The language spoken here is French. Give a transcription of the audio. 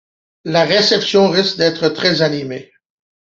La réception risque d'être très animée...